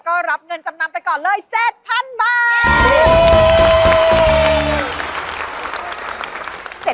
ก็รับเงินจำนำไปก่อนเลย๗๐๐๐บาท